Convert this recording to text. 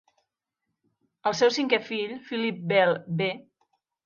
El seu cinquè fill, Phillip Bell b.